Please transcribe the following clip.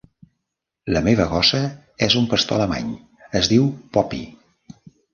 La meva gossa és un pastor alemany, es diu "Poppy".